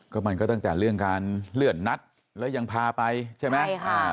ก็มันก็ึงจากเรื่องเรือนรับนัดไปแล้วยังพาไปใช่ไหม